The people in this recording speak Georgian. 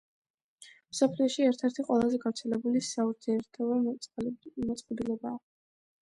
მსოფლიოში ერთ-ერთი ყველაზე გავრცელებული საურთიერთობო მოწყობილობაა.